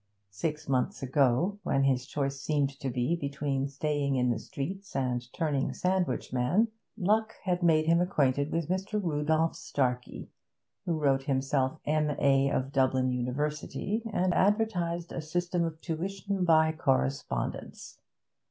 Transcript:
Six months ago, when his choice seemed to be between staying in the streets and turning sandwich man, luck had made him acquainted with Mr. Rudolph Starkey, who wrote himself M.A. of Dublin University and advertised a system of tuition by correspondence.